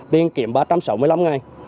tiền kiếm ba trăm sáu mươi năm ngày